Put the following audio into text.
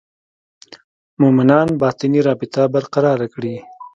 مومنان باطني رابطه برقراره کړي.